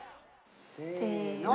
せの。